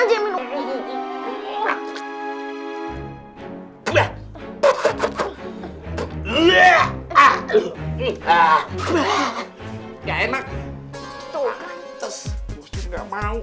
enggak enak tuh